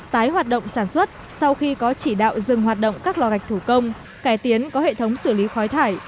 tái hoạt động sản xuất sau khi có chỉ đạo dừng hoạt động các lò gạch thủ công cải tiến có hệ thống xử lý khói thải